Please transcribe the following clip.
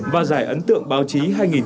và giải ấn tượng báo chí hai nghìn hai mươi hai